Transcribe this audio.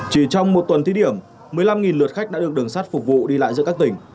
chỉ trong một tuần thí điểm một mươi năm lượt khách đã được đường sắt phục vụ đi lại giữa các tỉnh